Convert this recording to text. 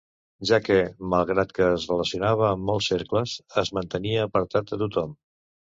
Ja que, malgrat que es relacionava amb molts cercles, es mantenia apartat de tothom.